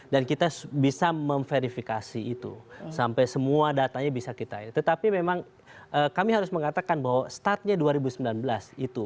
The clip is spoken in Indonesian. dan kita bisa memverifikasi itu sampai semua datanya bisa kita tetapi memang kami harus mengatakan bahwa startnya dua ribu sembilan belas itu